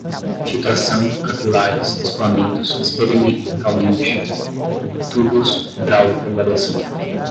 filtração, capilares, escoamentos, experimentalmente, tubos, hidráulica, variação